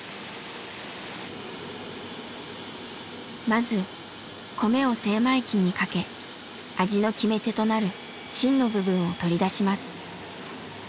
まず米を精米機にかけ味の決め手となる芯の部分を取り出します。